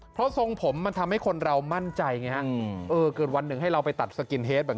เพราะทรงผมทำให้คนเรามั่นใจเกิดวันหนึ่งให้เราไปตัดสกินเทส